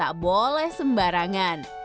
tapi tidak boleh sembarangan